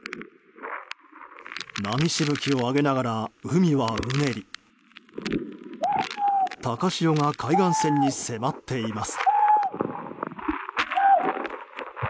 波しぶきを上げながら海はうねり高潮が海岸線に迫っています。